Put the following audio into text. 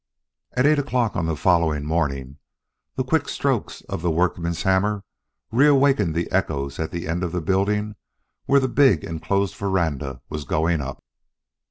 At eight o'clock on the following morning the quick strokes of the workman's hammer reawakened the echoes at the end of the building where the big enclosed veranda was going up.